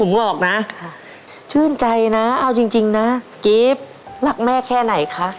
ผมบอกนะชื่นใจนะเอาจริงนะกิฟต์รักแม่แค่ไหนคะ